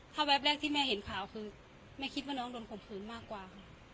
ถ้าแป๊บแรกที่แม่เห็นข่าวคือแม่คิดว่าน้องโดนข่มขืนมากกว่าค่ะ